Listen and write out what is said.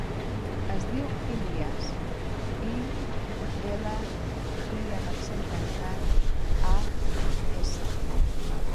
Es diu Ilías: i, ela, i amb accent tancat, a, essa.